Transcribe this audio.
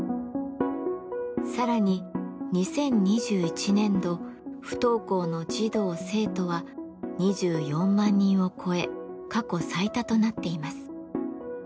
さらに２０２１年度不登校の児童生徒は２４万人を超え過去最多となっています。